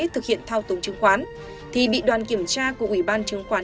thực hiện thao tống chứng khoán thì bị đoàn kiểm tra của ủy ban chính khoán